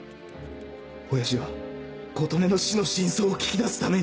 親父は琴音の死の真相を聞き出すために。